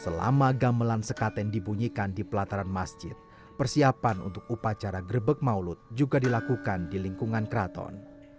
selama gamelan sekaten dibunyikan di pelataran masjid persiapan untuk upacara grebek maulut juga dilakukan di lingkungan keraton